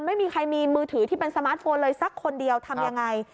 ไม่มีใครมีมือถือที่เป็นสมาร์ทโฟนเลยสักคนเดียวทำยังไง